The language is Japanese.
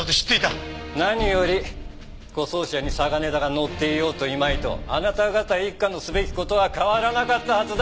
何より護送車に嵯峨根田が乗っていようといまいとあなた方一課のすべき事は変わらなかったはずだ！